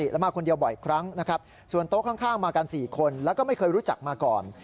แล้วก็ไม่เคยรู้จักมาก่อน